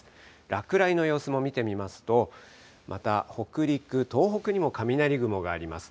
落雷の様子も見てみますと、また北陸、東北にも雷雲があります。